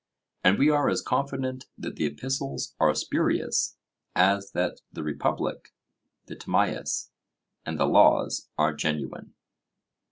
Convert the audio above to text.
And we are as confident that the Epistles are spurious, as that the Republic, the Timaeus, and the Laws are genuine.